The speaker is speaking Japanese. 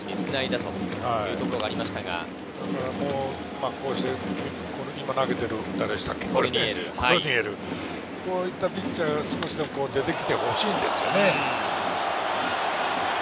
だから今投げているコルニエル、こういったピッチャーが少しでも出てきてほしいんですよね。